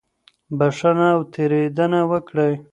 بښنه او تېرېدنه وکړئ.